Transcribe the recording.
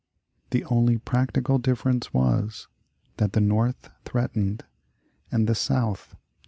The only practical difference was, that the North threatened and the South acted.